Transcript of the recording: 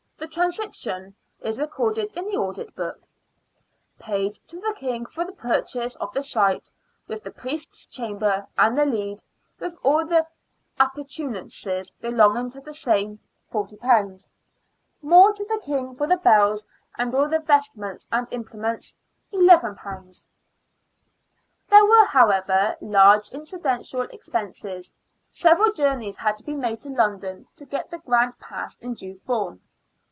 The transaction is re corded in the audit book :— Paid to the King for the purchase of the site, with the Priest's Chamber, and the lead, with all the appurtenances belonging to the same .. £40 More to the King for the bells and all the vest ments and implements £11 There were, however, large incidental expenses. Several journeys had to be made to London to get the grant passed in due form.